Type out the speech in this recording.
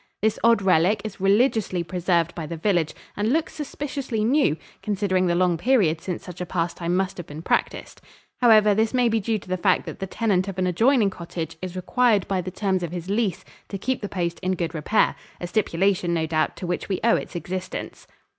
This odd relic is religiously preserved by the village and looks suspiciously new, considering the long period since such a pastime must have been practiced. However, this may be due to the fact that the tenant of an adjoining cottage is required by the terms of his lease to keep the post in good repair, a stipulation, no doubt, to which we owe its existence.